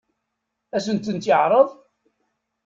Ad sent-tent-yeɛṛeḍ?